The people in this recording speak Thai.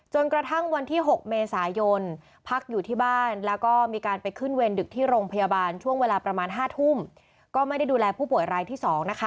กระทั่งวันที่๖เมษายนพักอยู่ที่บ้านแล้วก็มีการไปขึ้นเวรดึกที่โรงพยาบาลช่วงเวลาประมาณ๕ทุ่มก็ไม่ได้ดูแลผู้ป่วยรายที่๒นะคะ